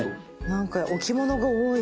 なんか置物が多い。